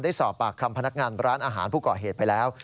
สอบปากคำพนักงานร้านอาหารผู้ก่อเหตุไปแล้ว